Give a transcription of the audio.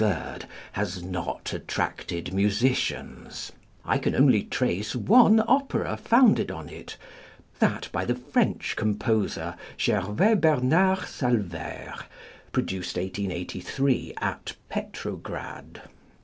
_ has not attracted musicians. I can only trace one opera founded on it that by the French composer, +Gervais Bernard Salvayre+, produced 1883 at Petrograd.